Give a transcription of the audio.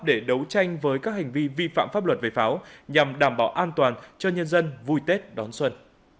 để đấu tranh với các hành vi vi phạm pháp luật về pháo nhằm đảm bảo an toàn cho nhân dân vui tết đón xuân